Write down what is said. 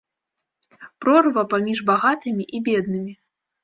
Прорва паміж багатымі і беднымі!